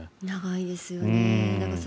長いですよね。